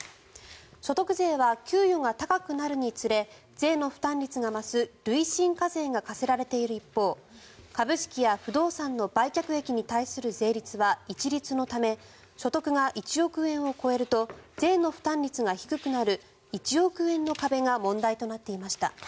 所得税は給与が高くなるにつれ税の負担率が増す累進課税が課せられている一方株式や不動産の売却益に対する税率は一律のため所得が１億円を超えると税の負担率が低くなる１億円の壁が問題となっていました。